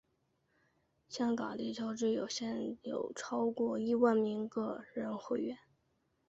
香港地球之友现有超过一万名个人会员。